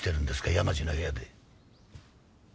山路の部屋で。